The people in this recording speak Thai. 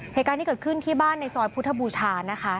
เหตุการณ์ที่เกิดขึ้นที่บ้านในซอยพุทธบูชานะคะ